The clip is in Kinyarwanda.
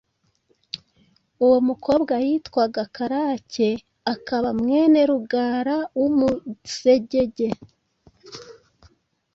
Uwo mukobwa yitwaga Karake, akaba mwene Rugara w’Umusegege.